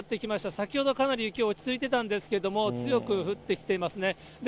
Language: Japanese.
先ほど、かなり雪、落ち着いていたんですけど、強く降ってきていますね。